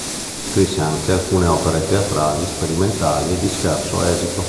Scrisse anche alcune opere teatrali, sperimentali e di scarso esito.